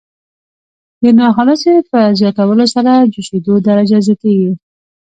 د ناخالصې په زیاتولو سره جوشیدو درجه زیاتیږي.